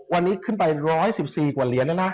วันนี้ขึ้นไป๑๑๔กว่าเหรียญนะนะ